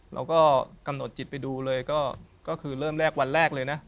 เราก็กำหนดจิตไปดูเลยก็คือเริ่มแรกวันแรกเลยนะ